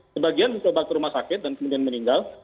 sebagian mencoba ke rumah sakit dan kemudian meninggal